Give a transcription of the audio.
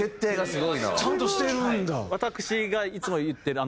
ちゃんとしてるんだ。